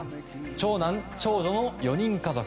長男、長女の４人家族。